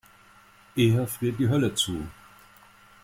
Eher friert die Hölle zu.